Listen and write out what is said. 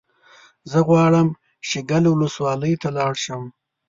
زه غواړم شیګل ولسوالۍ ته لاړ شم